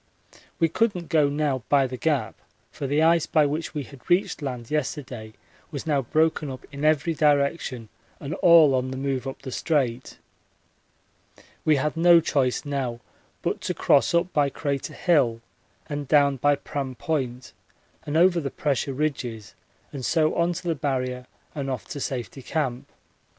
We couldn't go now by the Gap, for the ice by which we had reached land yesterday was now broken up in every direction and all on the move up the Strait. We had no choice now but to cross up by Crater Hill and down by Pram Point and over the pressure ridges and so on to the Barrier and off to Safety Camp.